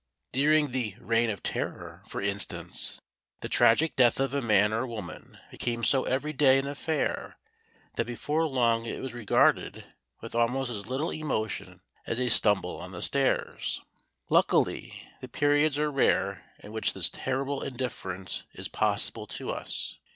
During the Reign of Terror, for instance, the tragic death of a man or woman became so everyday an affair that before long it was regarded with almost as little emotion as a stumble on the stairs. Luckily, the periods are rare in which this terrible indifference is possible to us.